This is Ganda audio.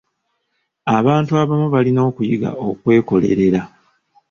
Abantu abamu balina okuyiga okwekolerera.